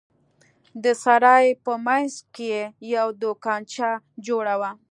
د سراى په منځ کښې يوه دوکانچه جوړه وه.